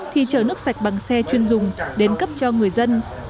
thì chở nước sạch bằng xe chuyên dùng đến cấp cho người dân